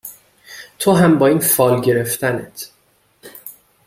تو هم با این فال گرفتنت